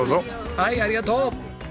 はいありがとう！